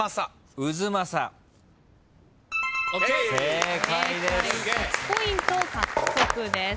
正解１ポイント獲得です。